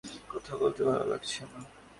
কথা বলতে ভালো লাগছে না।